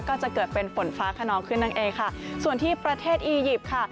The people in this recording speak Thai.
ก็จะเกิดเป็นฝนฟ้าขนองขึ้นนั่นเองค่ะส่วนที่ประเทศอียิปต์ค่ะ